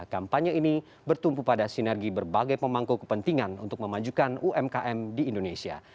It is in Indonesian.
kampanye ini bertumpu pada sinergi berbagai pemangku kepentingan untuk memajukan umkm di indonesia